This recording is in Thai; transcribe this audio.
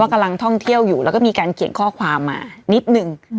กำลังท่องเที่ยวอยู่แล้วก็มีการเขียนข้อความมานิดนึง